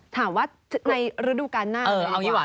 ถามว่าในฤดูกาลหน้าดีกว่า